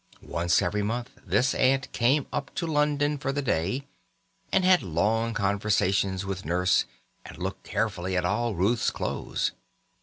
Once every month this aunt came up to London for the day, had long conversations with Nurse, and looked carefully at all Ruth's clothes.